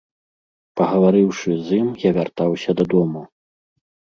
Пагаварыўшы з ім, я вяртаўся дадому.